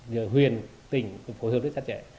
giờ huyền tỉnh phổ hợp rất chặt chẽ